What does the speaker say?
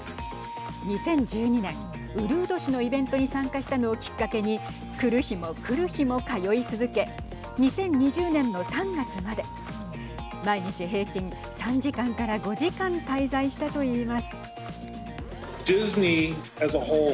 ２０１２年、うるう年のイベントに参加したのをきっかけに来る日も来る日も通い続け２０２０年の３月まで毎日平均、３時間から５時間滞在したと言います。